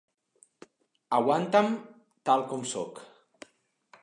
Aguanta'm tal com sóc.